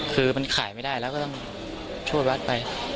คือมันขายไม่ได้แล้วก็ต้องช่วยวัดไป